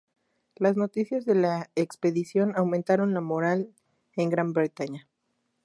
Las noticias de la expedición aumentaron la moral en Gran Bretaña.